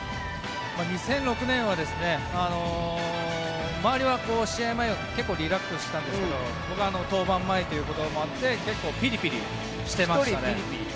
２００６年は周りは、試合前は結構リラックスしてたんですが僕は登板前ということもあって結構ピリピリしてましたね。